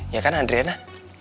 ya kan adriana